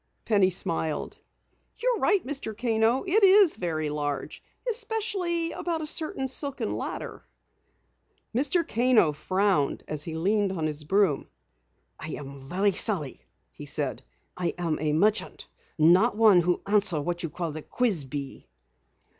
Penny smiled. "You are right, Mr. Kano. It is very large, especially about a certain silken ladder." Mr. Kano frowned as he leaned on his broom. "I am very sorry," he said. "I am a merchant, not one who answers what you call the quiz bee."